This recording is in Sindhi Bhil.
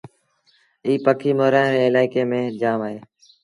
ايٚ پکي مورآڻي ري الآئيڪي ميݩ جآم اهي۔